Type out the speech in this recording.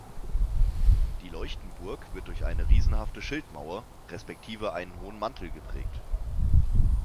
Die Leuchtenburg wird durch eine riesenhafte Schildmauer respektive einen hohen Mantel geprägt.